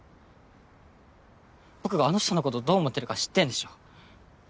僕があの人のことどう思ってるか知ってんでしょ。